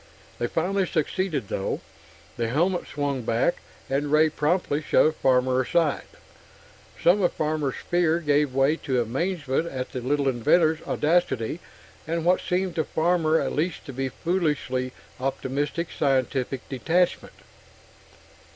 They finally succeeded, though; the helmet swung back, and Ray promptly shoved Farmer aside. Some of Farmer's fear gave way to amazement at the little inventor's audacity and what seemed to Farmer at least to be foolishly optimistic scientific detachment.